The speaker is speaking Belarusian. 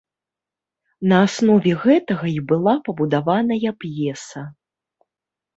На аснове гэтага і была пабудаваная п'еса.